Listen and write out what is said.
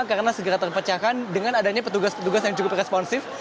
karena segera terpecahkan dengan adanya petugas petugas yang cukup responsif